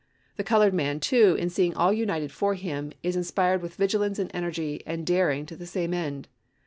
The colored man, too, in seeing all united for him, is inspired with vigilance and energy and daring to the same end.